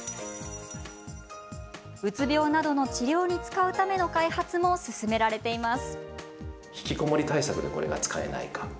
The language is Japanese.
うつ病などの治療に使うための開発も進められています。